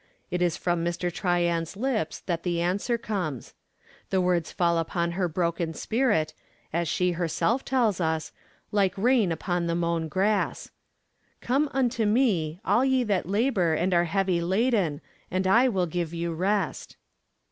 It is from Mr. Tryan's lips that the answer comes. The words fall upon her broken spirit, as she herself tells us, like rain upon the mown grass: '_COME UNTO ME, ALL YE THAT LABOR AND ARE HEAVY LADEN, AND I WILL GIVE YOU REST!